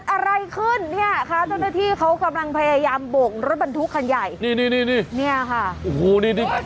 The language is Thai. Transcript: เกิดอะไรขึ้นเนี่ยค่ะเจ้าหน้าที่เค้ากำลังพยายามบ่งรถบรรทุกขึ้นใหญ่